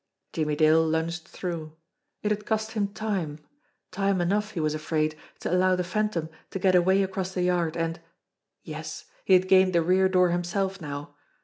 Jimmie Dale lunged through. It had cost him time ; time enough, he was afraid, to allow the Phantom to get away across the yard, and Yes! He had gained the rear door himself now.